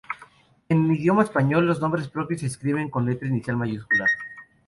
En idioma español, los nombres propios se escriben con letra inicial mayúscula.